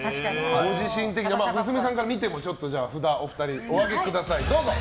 ご自分と娘さんから見ても札をお上げください。